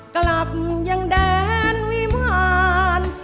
กลับยังแดนวิมาร